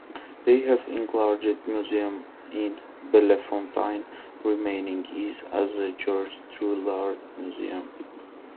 They have enlarged the museum in Bellefontaine, renaming it as the George Drouillard Museum.